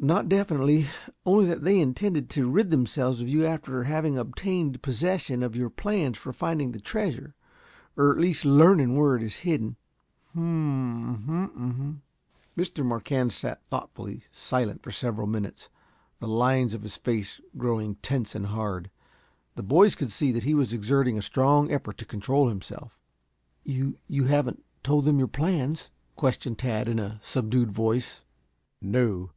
"Not definitely. Only that they intended to rid themselves of you after having obtained possession of your plans for finding the treasure, or at least learning where it is hidden." "Hm m m!" Mr. Marquand sat thoughtfully silent for several minutes, the lines of his face growing tense and hard. The boys could see that he was exerting, a strong effort to control himself. "You you haven't told them your plans?" questioned Tad, in a subdued voice. "No.